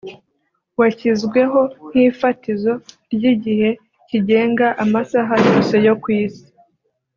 washyizweho nk’ifatizo ry’igihe kigenga amasaha yose yo ku isi